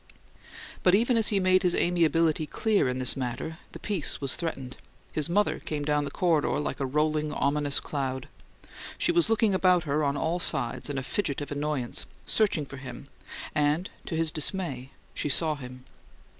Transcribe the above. But even as he made his amiability clear in this matter, the peace was threatened his mother came down the corridor like a rolling, ominous cloud. She was looking about her on all sides, in a fidget of annoyance, searching for him, and to his dismay she saw him.